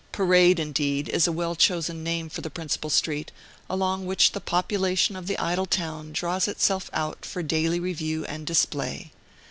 Parade, indeed, is a well chosen name for the principal street, along which the population of the idle town draws itself out for daily review and display.